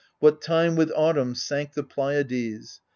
What time with autumn sank the Pleiades.